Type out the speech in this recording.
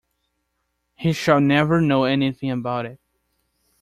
He shall never know anything about it.